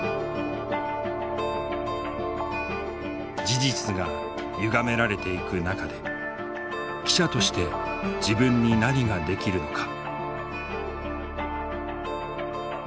事実がゆがめられていく中で記者として自分に何ができるのか。